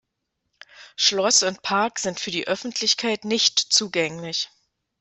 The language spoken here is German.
Schloss und Park sind für die Öffentlichkeit nicht zugänglich.